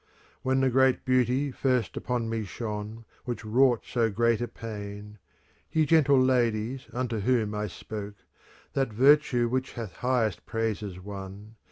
'" When the great beauty first upon me shone, Which wrought so great a pain, — Ye gentle ladies, unto whom I spoke, — That virtue which hath highest praises won.